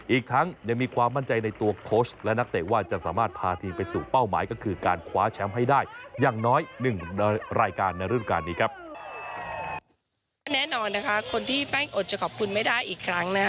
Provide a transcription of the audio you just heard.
อีกครั้งจะมีความมั่นใจในตัวโค้ชและนักเตะว่าจะสามารถพาทีมไปสู่เป้าหมายก็คือการคว้าแชมป์ให้ได้อย่างน้อยหนึ่งรายการในรื่องการนี้ครับ